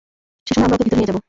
সেসময়, আমরা ওকে ভেতরে নিয়ে যাবো।